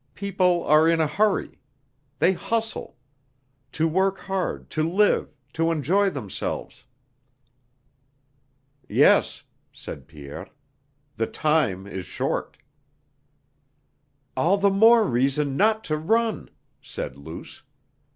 People are in a hurry. They hustle. To work hard, to live, to enjoy themselves...." "Yes," said Pierre, "the time is short." "All the more reason not to run!" said Luce.